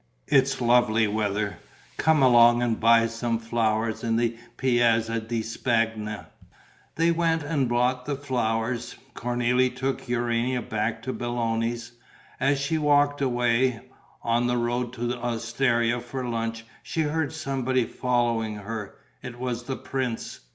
It's lovely weather: come along and buy some flowers in the Piazza di Spagna." They went and bought the flowers. Cornélie took Urania back to Belloni's. As she walked away, on the road to the osteria for lunch, she heard somebody following her. It was the prince.